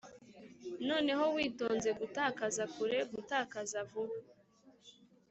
noneho witoze gutakaza kure, gutakaza vuba: